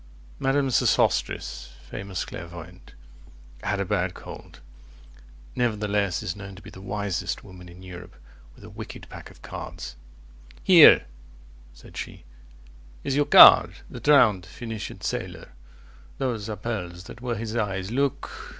Madame Sosostris, famous clairvoyante, Had a bad cold, nevertheless Is known to be the wisest woman in Europe, 45 With a wicked pack of cards. Here, said she, Is your card, the drowned Phoenician Sailor, (Those are pearls that were his eyes. Look!)